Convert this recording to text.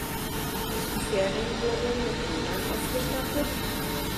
Ist die Ferienwohnung mit WLAN ausgestattet?